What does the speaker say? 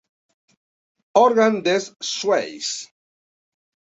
Organ des Schweiz.